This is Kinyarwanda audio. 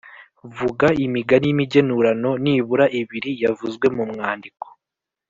Vuga imigani y’imigenurano nibura ibiri yavuzwe mu mwandiko.